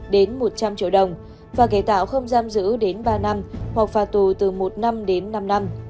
đến một trăm linh triệu đồng và cải tạo không giam giữ đến ba năm hoặc phạt tù từ một năm đến năm năm